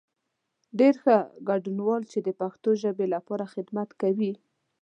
ډېر ښه، ګډنوالو چې د پښتو ژبې لپاره خدمت کوئ.